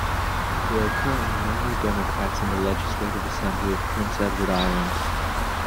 There are currently no New Democrats in the Legislative Assembly of Prince Edward Island.